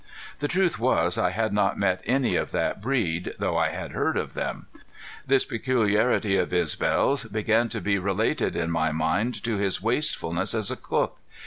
The truth was I had not met any of that breed, though I had heard of them. This peculiarity of Isbel's began to be related in my mind to his wastefulness as a cook.